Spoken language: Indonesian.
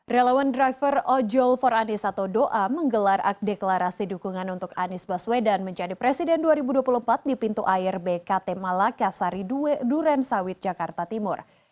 relawan driver ojol for anis atau doa menggelar deklarasi dukungan untuk anies baswedan menjadi presiden dua ribu dua puluh empat di pintu air bkt malakasari dua duren sawit jakarta timur